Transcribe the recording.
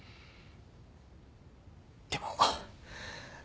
でも。